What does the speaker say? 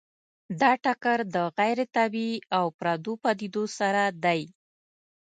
دا ټکر د غیر طبیعي او پردو پدیدو سره دی.